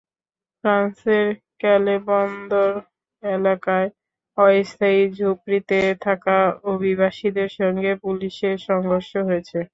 ফ্রান্সের ক্যালে বন্দর এলাকায় অস্থায়ী ঝুপড়িতে থাকা অভিবাসীদের সঙ্গে পুলিশের সংঘর্ষ হয়েছে।